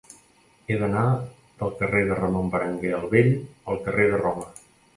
He d'anar del carrer de Ramon Berenguer el Vell al carrer de Roma.